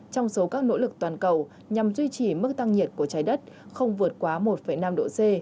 trong số các nỗ lực toàn cầu nhằm duy trì mức tăng nhiệt của trái đất không vượt quá một năm độ c